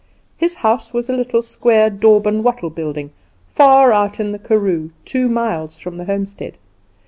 His house was a little square daub and wattle building, far out in the karoo, two miles from the homestead.